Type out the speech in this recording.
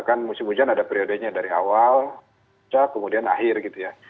kan musim hujan ada periodenya dari awal puncak kemudian akhir gitu ya